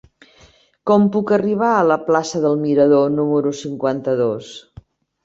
Com puc arribar a la plaça del Mirador número cinquanta-dos?